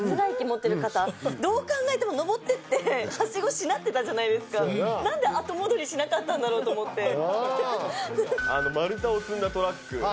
持ってる方どう考えてものぼってってハシゴしなってたじゃないですか何で後戻りしなかったんだろうと思って丸太を積んだトラック